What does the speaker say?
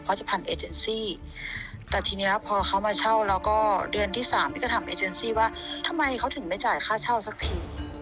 จะพันเอเจนซี่แต่ทีนี้พอเขามาเช่าแล้วก็เดือนที่สามพี่ก็ถามเอเจนซี่ว่าทำไมเขาถึงไม่จ่ายค่าเช่าสักที